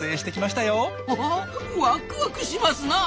ほほっワクワクしますなあ！